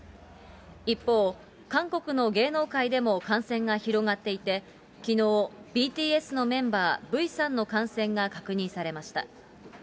一方、韓国の芸能界でも感染が広がっていて、きのう、ＢＴＳのメンバー、Ｖさんの感染が確認されました。